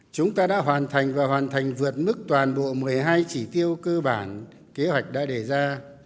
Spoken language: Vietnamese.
chúng ta đã hoàn thành và hoàn thành vượt mức toàn bộ một mươi hai chỉ tiêu cơ bản kế hoạch đã đề ra